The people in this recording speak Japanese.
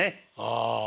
ああ。